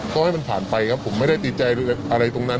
ก็ให้มันผ่านไปครับผมไม่ได้ติดใจอะไรตรงนั้น